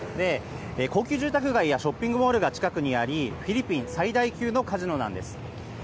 高級住宅街やショッピングモールが近くにありフィリピン最大級のカジノなんです。